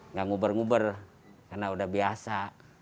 nggak ngubur ngubur karena udah biasa